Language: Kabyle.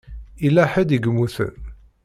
Yella ḥedd i yemmuten.